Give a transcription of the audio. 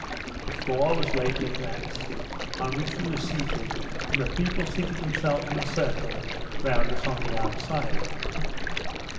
The floor was laid with mats, on which we were seated, and the people seated themselves in a circle round us on the outside.